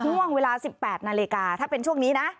ช่วงเวลา๑๘นาฬิกาถ้าเป็นช่วงนี้นะ